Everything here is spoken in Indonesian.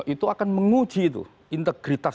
itu akan menguji integritas